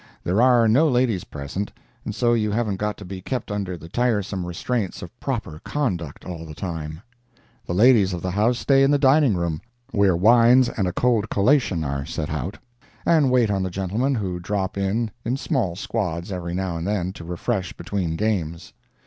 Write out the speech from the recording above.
There are no ladies present, and so you haven't got to be kept under the tiresome restraints of proper conduct all the time. The ladies of the house stay in the dining room, where wines and a cold collation are set out, and wait on the gentlemen, who drop in in small squads every now and then to refresh between games.